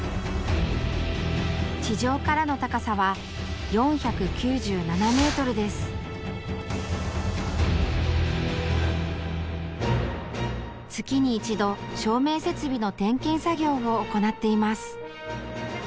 地上からの高さは月に一度照明設備の点検作業を行っています。